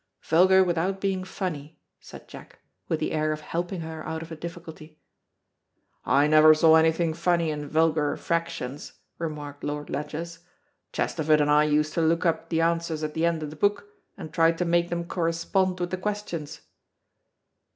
"Vulgar without being funny," said. Jack, with the air of helping her out of a difficulty. "I never saw anything funny in vulgar fractions," remarked Lord Ledgers. "Chesterford and I used to look up the answers at the end of the book, and try to make them correspond with the questions."